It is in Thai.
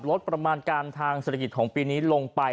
ลดประมาณการทางเศรษฐกิจของปีนี้ลงไป